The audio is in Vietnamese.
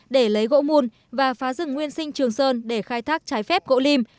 để lấy gỗ mùn và phá rừng nguyên sinh trường sơn để khai thác trái phép gỗ lim